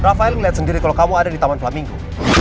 rafael ngeliat sendiri kalau kamu ada di taman flamingo